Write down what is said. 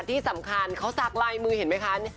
ที่สำคัญเขาสักลายมือเห็นไหมคะ